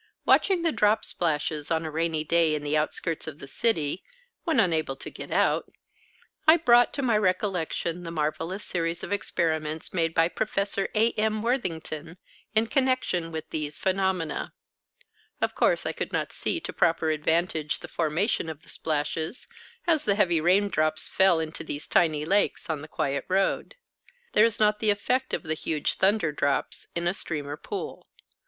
Watching the drop splashes on a rainy day in the outskirts of the city, when unable to get out, I brought to my recollection the marvellous series of experiments made by Professor A. M. Worthington in connection with these phenomena. Of course, I could not see to proper advantage the formation of the splashes, as the heavy raindrops fell into these tiny lakes on the quiet road. There is not the effect of the huge thunder drops in a stream or pool.